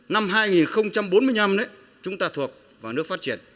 năm hai nghìn bốn mươi năm chúng ta thuộc vào nước phát triển